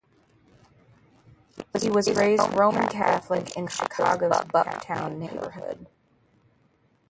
He was raised Roman Catholic in Chicago's Bucktown neighborhood.